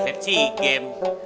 dia atlet si gem